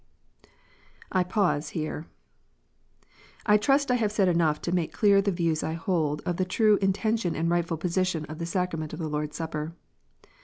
I pause here. I trust I have said enough to make clear the views I hold of the true intention and rightful position of the sacrament of the Lord s Supper.